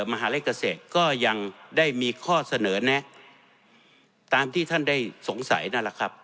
มหาเลขเกษตรก็ยังได้มีข้อเสนอแนะตามที่ท่านได้สงสัยนั่นแหละครับ